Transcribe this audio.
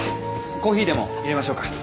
コーヒーでもいれましょうか。